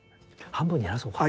半分に減らそうか？